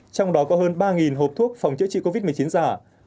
trong đó có hơn ba hộp thuốc phòng chữa trị covid một mươi chín giả